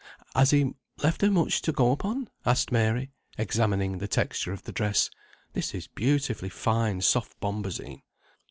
"Has he left her much to go upon?" asked Mary, examining the texture of the dress. "This is beautifully fine soft bombazine."